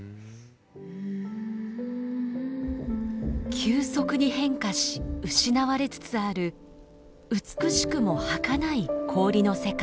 急速に変化し失われつつある美しくもはかない氷の世界。